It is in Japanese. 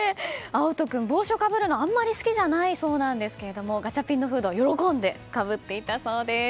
碧一君、帽子をかぶるのあまり好きじゃないそうですがガチャピンのフード喜んでかぶっていたそうです。